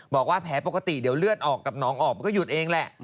บอกว่าแผลปกติเดี๋ยวเลือดออกกับน้องออกมันก็หยุดเองแหละ